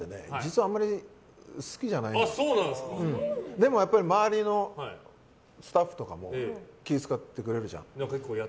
でもやっぱり周りのスタッフとかも気を使ってくれるじゃん。